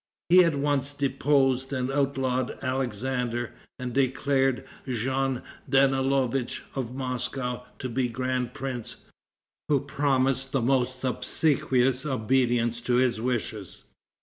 He at once deposed and outlawed Alexander, and declared Jean Danielovitch, of Moscow, to be grand prince, who promised the most obsequious obedience to his wishes.